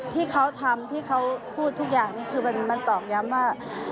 ที่เขาทำที่เขาพูดทุกอย่างนี้คือมันตอกย้ำว่า